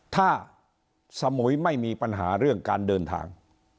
ถ้าสมุยไม่มีปัญหาเรื่องการเดินทาง